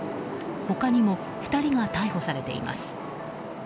他にも２人が逮捕されています。